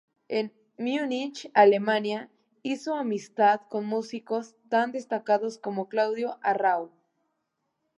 En Múnich, Alemania, hizo amistad con músicos tan destacados como Claudio Arrau.